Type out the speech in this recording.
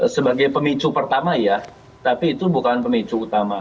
sebagai pemicu pertama ya tapi itu bukan pemicu utama